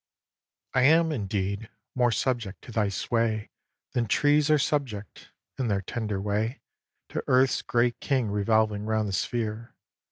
viii. I am, indeed, more subject to thy sway Than trees are subject, in their tender way, To earth's great king revolving round the sphere.